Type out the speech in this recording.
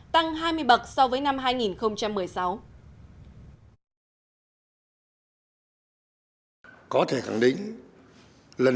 tăng hai mươi bậc so với năm hai nghìn một mươi sáu